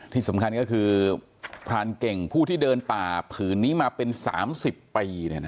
ที่สำคัญก็คือพรานเก่งผู้ที่เดินป่าผืนนี้มาเป็น๓๐ปี